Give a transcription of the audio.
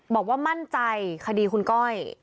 บอกว่ามั่นใจคดีคุณก้อย